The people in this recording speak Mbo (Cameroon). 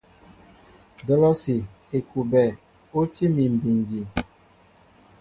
Dolosi / Ekuɓɛ o tí mi bindi.